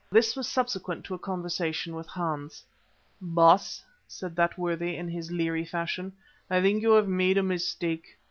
This was subsequent to a conversation with Hans. "Baas," said that worthy, in his leery fashion, "I think you have made a mistake.